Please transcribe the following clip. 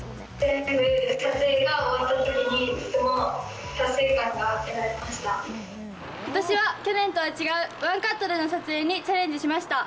今年は去年とは違うワンカットでの撮影にチャレンジしました。